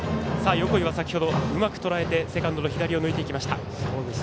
横井は先ほどうまくとらえてセカンドの横を抜いていきました。